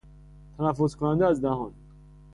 تنفس کننده از دهان